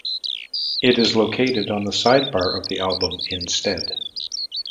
It is located on the side bar of the album instead.